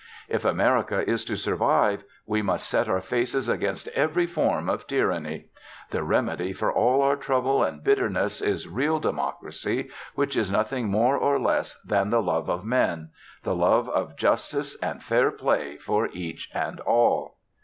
If America is to survive, we must set our faces against every form of tyranny. The remedy for all our trouble and bitterness is real democracy which is nothing more or less than the love of men the love of justice and fair play for each and all.